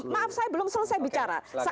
maaf saya belum selesai bicara